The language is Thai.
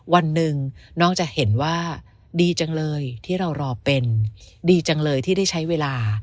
วันหนึ่งน้องจะเห็นว่าดีจังเลยที่เรารอเป็นดีจังเลยที่ได้ใช้เวลา